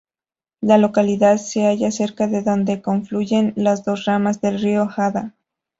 La localidad se halla cerca de donde confluyen las dos ramas del río Adda.